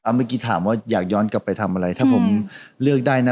เมื่อกี้ถามว่าอยากย้อนกลับไปทำอะไรถ้าผมเลือกได้นะ